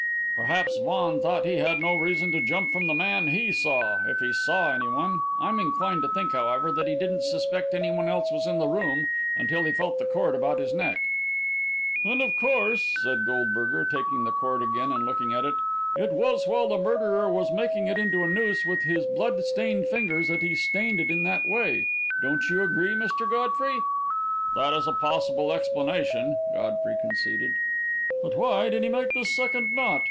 "Perhaps Vaughan thought he had no reason to jump from the man he saw if he saw anyone. I'm inclined to think, however, that he didn't suspect anyone else was in the room until he felt the cord about his throat." "And, of course," said Goldberger, taking the cord again and looking at it, "it was while the murderer was making it into a noose with his blood stained fingers that he stained it in that way. Don't you agree, Mr. Godfrey?" "That is a possible explanation," Godfrey conceded. "But why did he make this second knot?"